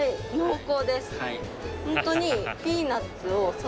ホントに。